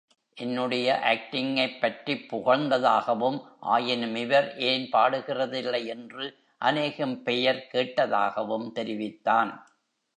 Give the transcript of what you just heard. என்னுடைய ஆக்டிங்கைப்பற்றிப் புகழ்ந்ததாகவும், ஆயினும் இவர் ஏன் பாடுகிறதில்லை என்று அநேகம் பெயர் கேட்டதாயும் தெரிவித்தான்.